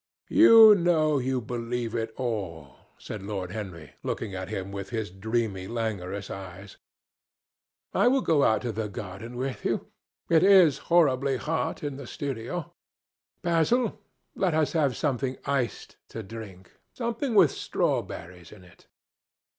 "You know you believe it all," said Lord Henry, looking at him with his dreamy languorous eyes. "I will go out to the garden with you. It is horribly hot in the studio. Basil, let us have something iced to drink, something with strawberries in it."